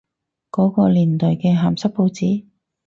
嗰個年代嘅鹹濕報紙？